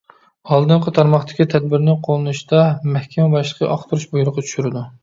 ئالدىنقى تارماقتىكى تەدبىرنى قوللىنىشتا مەھكىمە باشلىقى ئاختۇرۇش بۇيرۇقى چۈشۈرىدۇ.